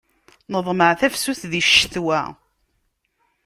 Neḍmeɛ tafsut di ccetwa.